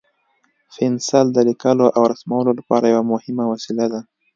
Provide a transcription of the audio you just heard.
پنسل د لیکلو او رسمولو لپاره یو مهم وسیله ده.